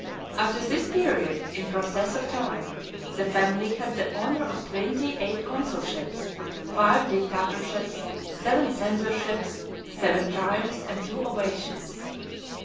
After this period, in process of time, the family had the honour of twenty eight consulships, five dictatorships, seven censorships, seven triumphs, and two ovations.